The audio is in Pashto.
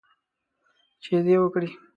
سجدې وکړي